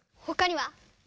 ほかには？